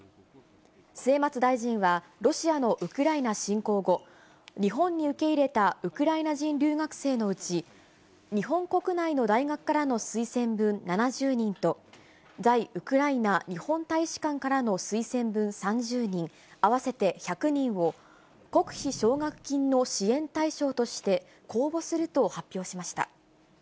末松大臣はロシアのウクライナ侵攻後、日本に受け入れたウクライナ人留学生のうち、日本国内の大学からの推薦分７０人と、在ウクライナ日本大使館からの推薦分３０人、合わせて１００人を、国費奨学金の支援対象として公募すると発表しました。